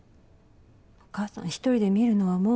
お義母さん１人で見るのはもう。